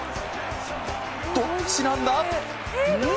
どっちなんだ？